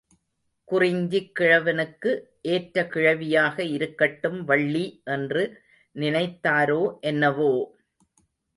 குறிஞ்சிக் கிழவனுக்கு ஏற்ற கிழவியாக இருக்கட்டும் வள்ளி, என்று நினைத்தாரோ என்னவோ!